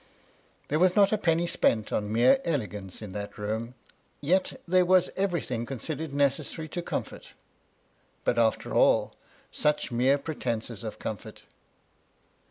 There was not a penny spent on mere elegance in that room ; yet there was everything considered necessary to comfort: but after ail, such mere pretences of comfort!